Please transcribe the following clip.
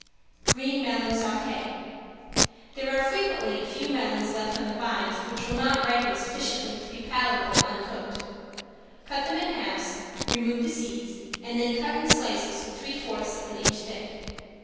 ~GREEN MELON SAUTE~ There are frequently a few melons left on the vines which will not ripen sufficiently to be palatable uncooked. Cut them in halves, remove the seeds and then cut in slices three fourths of an inch thick.